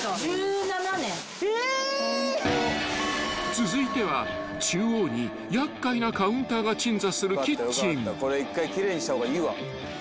［続いては中央に厄介なカウンターが鎮座するキッチン］